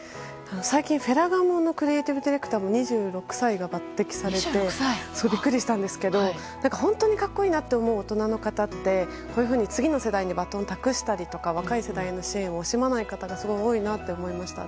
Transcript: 最近、フェラガモのクリエイティブディレクターも２６歳が抜擢されてビックリしたんですけど本当に格好いいなと思う大人の方ってこういうふうに次の方にバトンを託したりとか若い世代への支援を惜しまないところがすごく多いなと思いました